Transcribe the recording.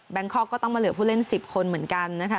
คอกก็ต้องมาเหลือผู้เล่น๑๐คนเหมือนกันนะคะ